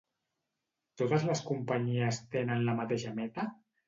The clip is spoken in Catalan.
Totes les companyies tenen la mateixa meta?